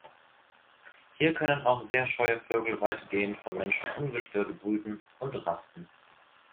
Hier können auch sehr scheue Vögel weitgehend von Menschen ungestört brüten und rasten.